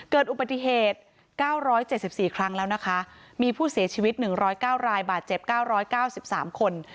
เกิดอุบัติเหตุเก้าร้อยเจ็บสิบสี่ครั้งแล้วนะคะมีผู้เสียชีวิตหนึ่งร้อยเก้ารายบาดเจ็บเก้าร้อยเก้าสิบสามคน